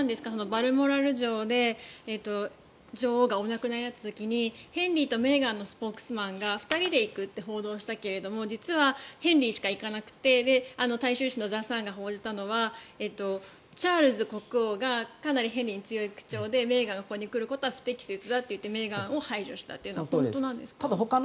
バルモラル城で女王がお亡くなりになった時にヘンリーとメーガンのスポークスマンが２人で行くって報道したけれども実はヘンリーしか行かなくて大衆誌のザ・サンが報じたのがチャールズ国王がかなりヘンリーに強い口調でメーガンがここに来ることは不適切だと言ってメーガンを排除したっていうのは本当なんですか？